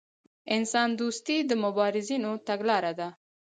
انسان دوستي د مبارزینو تګلاره ده.